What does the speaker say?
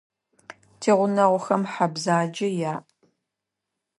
Тигъунэгъухэм хьэ бзэджэ яӏ.